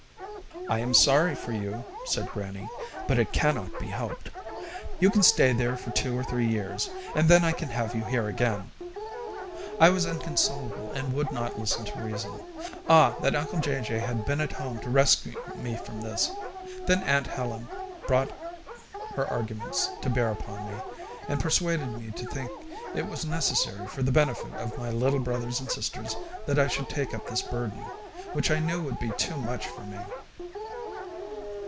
"I am sorry for you," said grannie, "but it cannot be helped. You can stay there for two or three years, and then I can have you here again." I was inconsolable, and would not listen to reason. Ah! that uncle Jay Jay had been at home to rescue me from this. Then aunt Helen brought her arguments to bear upon me, and persuaded me to think it was necessary for the benefit of my little brothers and sisters that I should take up this burden, which I knew would be too much for me.